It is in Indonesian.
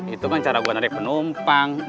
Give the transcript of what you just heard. itu kan cara gue menarik penumpang